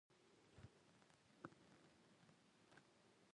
هلمند سیند د افغانستان د جغرافیوي تنوع یو مثال دی.